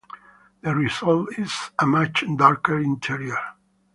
The result is a much darker interior.